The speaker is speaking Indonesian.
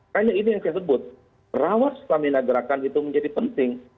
karena ini yang saya sebut rawat stamina gerakan itu menjadi penting